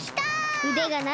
うでがなる！